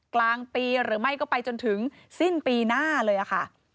กลางปีหรือไม่ก็ไปจนถึงสิ้นปีหน้าเลยค่ะ